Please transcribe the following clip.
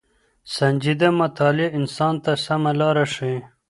سنجيده مطالعه انسان ته سمه لاره ښيي.